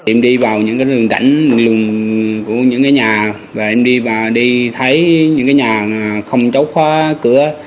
em đi vào những cái đường đánh đường của những cái nhà và em đi vào đi thấy những cái nhà không chống khóa cửa